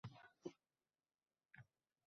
Ko’plab package managerlardan unumli foydalanadi